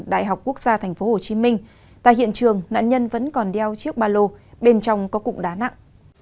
đại học quốc gia tp hcm tại hiện trường nạn nhân vẫn còn đeo chiếc ba lô bên trong có cụm đá nặng